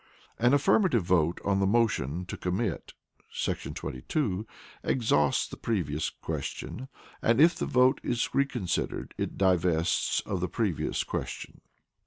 An affirmative vote on the motion to Commit [§ 22] exhausts the Previous Question, and if the vote is reconsidered, it is divested of the Previous Question.